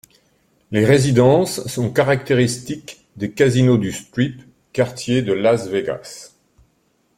Les résidences sont caractéristiques des casinos du Strip, quartier de Las Vegas.